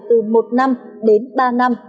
từ một năm đến ba năm